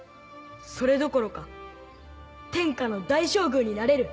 それどころか天下の大将軍になれる。